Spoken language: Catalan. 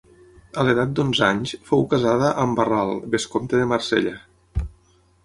A l'edat d'onze anys fou casada amb Barral, vescomte de Marsella.